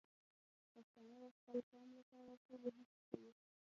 پښتانه د خپل قوم لپاره ټولې هڅې کوي.